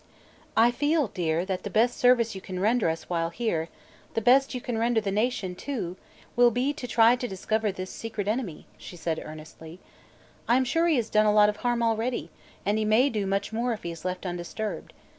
"I feel, dear, that the best service you can render us while here the best you can render the nation, too will be to try to discover this secret enemy," she said earnestly. "I'm sure he has done a lot of harm, already, and he may do much more if he is left undisturbed.